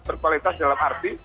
berkualitas dalam arti